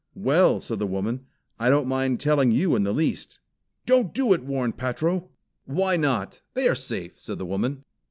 "Well," said the woman, "I don't mind telling you in the least." "Don't do it!" warned Patro. "Why not? They are safe," said the woman.